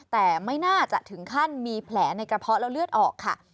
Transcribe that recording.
แต่ไม่น่าจะถึงขั้นมีแผลในกระเพาะแล้วเลือดออกค่ะ